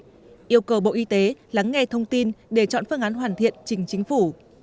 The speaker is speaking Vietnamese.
thủ tướng yêu cầu bộ y tế lắng nghe thông tin để chọn phương án hoàn thiện chính chính phủ